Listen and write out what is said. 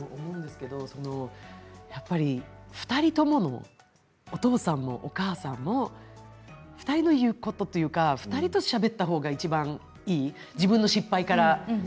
やっぱりお父さんもお母さんも２人の言うこと２人としゃべった方がいちばんいい、自分の失敗から。